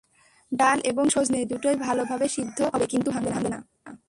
ডাল এবং শজনে দুটোই ভালো ভাবে সেদ্ধ হবে কিন্তু ভাঙবে না।